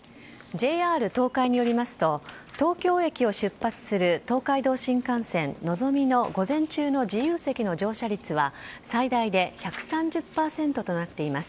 ＪＲ東海によりますと、東京駅を出発する東海道新幹線のぞみの午前中の自由席の乗車率は、最大で１３０％となっています。